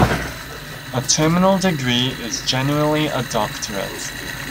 A terminal degree is generally a doctorate.